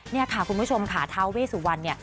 นี่ค่ะคุณผู้ชมค่ะท้าเวสุวรรณเนี่ย